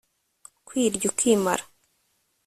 kwirya ukimara